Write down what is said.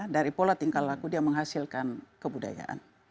dari pola tingkah laku dia menghasilkan kebudayaan